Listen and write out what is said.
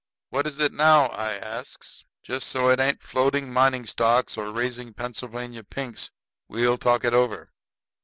"What is it now?" I asks. "Just so it ain't floating mining stocks or raising Pennsylvania pinks, we'll talk it over."